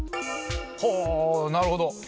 ほうなるほど。